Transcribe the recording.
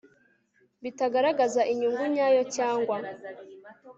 bitagaragaza inyungu nyayo cyangwa